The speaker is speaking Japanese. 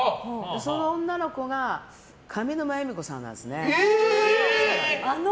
その女の子が上沼恵美子さんなんですよね。